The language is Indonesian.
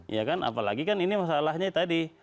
ya kan apalagi kan ini masalahnya tadi